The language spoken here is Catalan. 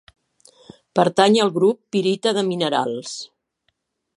Pertany al grup pirita de minerals.